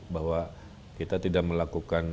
bahwa kita tidak melakukan